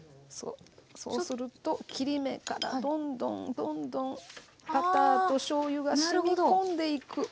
そうすると切り目からどんどんどんどんバターとしょうゆがしみ込んでいく。